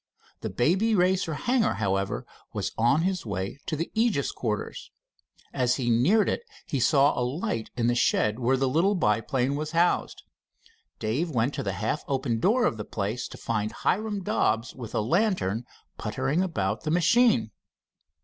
The Baby Racer hangar, however, was on his way to the Aegis quarters. As he neared it he saw a light in the shed where the little biplane was housed. Dave went to the half open door of the place to find Hiram Dobbs with a lantern puttering about the machine.